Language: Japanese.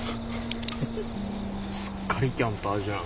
すっかりキャンパーじゃん。